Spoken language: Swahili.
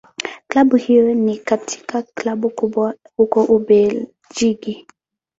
Klabu hiyo ni katika Klabu kubwa huko Ubelgiji.